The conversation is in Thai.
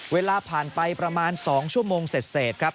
เวลาผ่านไปประมาณ๒ชั่วโมงเสร็จครับ